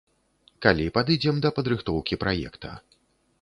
Калі падыдзем да падрыхтоўкі праекта.